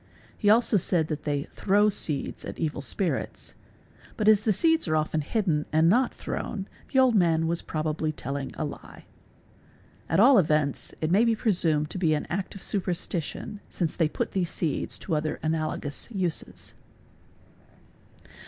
He also said that they "throw" Bihic seed at evil spirits; but as the seeds are often hidden and not thrown, bs the old man was probably telling a lie. At all events it may be pre sumed to be an act of superstition since they put these seeds to other y bi inalogous uses.